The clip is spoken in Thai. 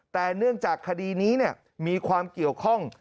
แต่เนื่องจากคดีนี้มีความเกี่ยวข้อง